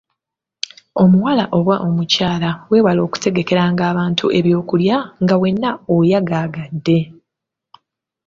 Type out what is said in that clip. "Omuwala oba omukyala, weewale okutegekeranga abantu ebyokulya nga wenna oyagaagadde."